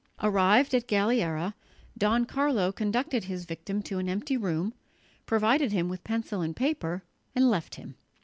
Arrived at Galliera, Don Carlo conducted his victim to an empty room, provided him with pencil and paper and left him.